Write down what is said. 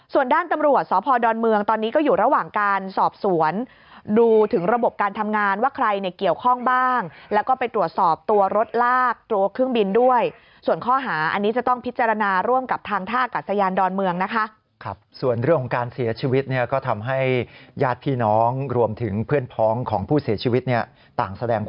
ส่วนด้านตำรวจสพดอนเมืองตอนนี้ก็อยู่ระหว่างการสอบสวนดูถึงระบบการทำงานว่าใครเนี่ยเกี่ยวข้องบ้างแล้วก็ไปตรวจสอบตัวรถลากตัวเครื่องบินด้วยส่วนข้อหาอันนี้จะต้องพิจารณาร่วมกับทางท่ากัดสยานดอนเมืองนะคะครับส่วนเรื่องของการเสียชีวิตเนี่ยก็ทำให้ญาติพี่น้องรวมถึงเพื่อนพ้องของผู้เสียชีวิตเนี่ยต่างแสดง